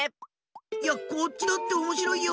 こっちだっておもしろいよ。